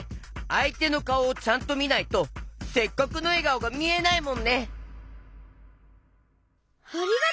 あいてのかおをちゃんとみないとせっかくのえがおがみえないもんね！